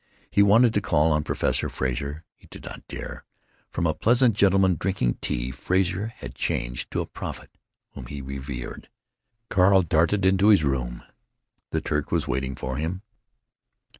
He wanted to call on Professor Frazer. He did not dare. From a pleasant gentleman drinking tea Frazer had changed to a prophet whom he revered. Carl darted into his room. The Turk was waiting for him.